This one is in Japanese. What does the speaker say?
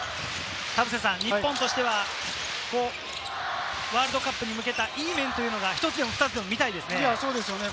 日本としてはワールドカップに向けた、いい面というのが、１つでも２つでも見たいですね。